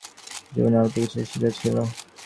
জীবনে অল্প কিছু শখই ছিলো।